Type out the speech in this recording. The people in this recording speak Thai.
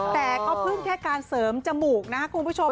แต่ก็พึ่งแค่การเสริมจมูกนะครับคุณผู้ชม